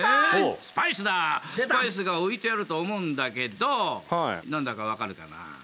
スパイスが置いてあると思うんだけど何だか分かるかな？